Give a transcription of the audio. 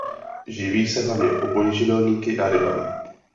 Živí se hlavně obojživelníky a rybami.